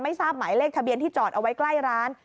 ทราบหมายเลขทะเบียนที่จอดเอาไว้ใกล้ร้าน